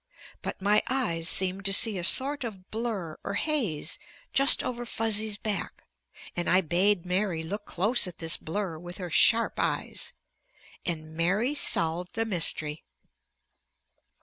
But my eyes seemed to see a sort of blur or haze just over Fuzzy's back, and I bade Mary look close at this blur with her sharp eyes. And Mary solved the mystery.